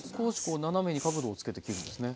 少し斜めに角度をつけて切るんですね。